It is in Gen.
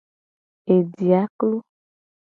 Ejia klo.